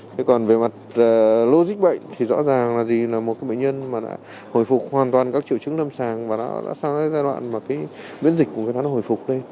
thế còn về mặt lô dịch bệnh thì rõ ràng là gì là một bệnh nhân mà đã hồi phục hoàn toàn các triệu chứng lâm sàng và đã sang giai đoạn mà biến dịch của người ta đã hồi phục